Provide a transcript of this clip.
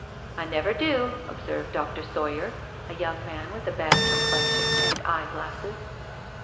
" I never do,*' observed Dr. Sawyer, a young man with a bad complexion and eye glasses.